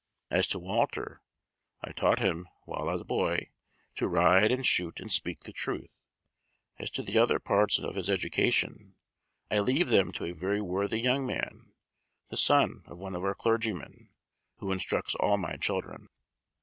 As to Walter, I taught him, while a boy, to ride, and shoot, and speak the truth; as to the other parts of his education, I leave them to a very worthy young man, the son of one of our clergymen, who instructs all my children."